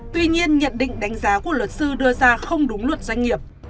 tuy nhiên nhận định đánh giá của luật sư đưa ra không đúng luật doanh nghiệp